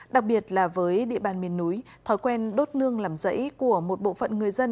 đặc biệt là với địa bàn miền núi thói quen đốt nương làm rẫy của một bộ phận người dân